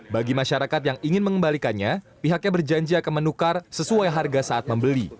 bagi masyarakat yang ingin mengembalikannya pihaknya berjanji akan menukar sesuai harga saat membeli